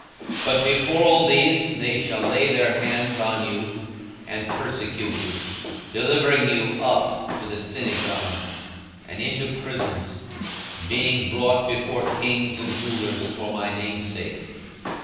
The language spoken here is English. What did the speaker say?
42:021:012 But before all these, they shall lay their hands on you, and persecute you, delivering you up to the synagogues, and into prisons, being brought before kings and rulers for my name's sake.